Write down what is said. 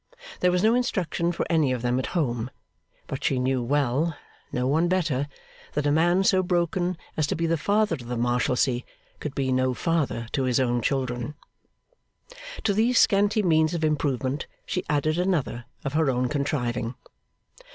There was no instruction for any of them at home; but she knew well no one better that a man so broken as to be the Father of the Marshalsea, could be no father to his own children. To these scanty means of improvement, she added another of her own contriving.